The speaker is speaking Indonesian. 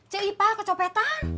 cik ipa kecopetan